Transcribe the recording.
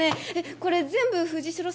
これ全部？